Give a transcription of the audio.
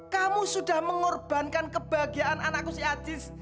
kamu sudah mengorbankan kebahagiaan anakku si ajis